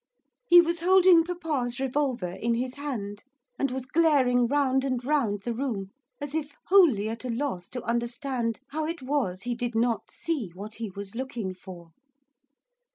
He was holding papa's revolver in his hand, and was glaring round and round the room, as if wholly at a loss to understand how it was he did not see what he was looking for.